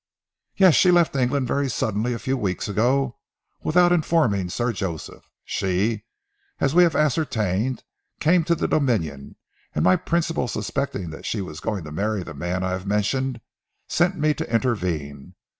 "Yes! she left England very suddenly a few weeks ago without informing Sir Joseph. She, as we have ascertained, came to the Dominion, and my principal suspecting that she was going to marry the man I have mentioned, sent me to intervene.